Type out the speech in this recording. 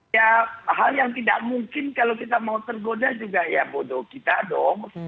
ya hal yang tidak mungkin kalau kita mau tergoda juga ya bodoh kita dong